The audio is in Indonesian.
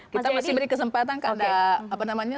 kita masih beri kesempatan karena apa namanya